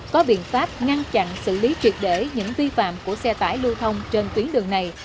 có biện pháp ngăn chặn xử lý triệt để những vi phạm của xe tải lưu thông trên tuyến đường này